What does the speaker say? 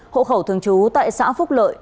hộ khẩu thường trú tại xã phúc lợi